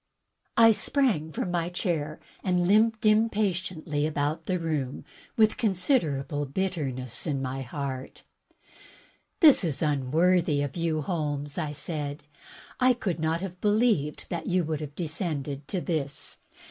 I sprang from my chair and limped impatiently about the room with considerable bitterness in my heart. "This is unworthy of you. Holmes," I said. "I could not have believed that you would have descended to this.